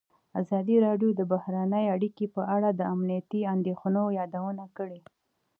ازادي راډیو د بهرنۍ اړیکې په اړه د امنیتي اندېښنو یادونه کړې.